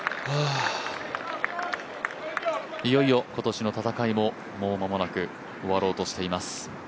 いよいよ今年の戦いも、もう間もなく終わろうとしています。